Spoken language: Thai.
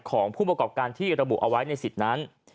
ของผู้ประกอบการที่ระบุเอาไว้ในสิทธิ์นั้น